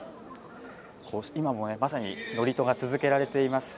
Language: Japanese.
今もね、まさに祝詞が続けられています。